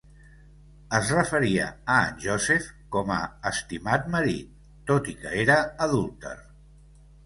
Es referia a en Joseph com a "estimat marit", tot i que era adúlter.